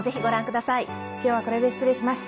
今日はこれで失礼します。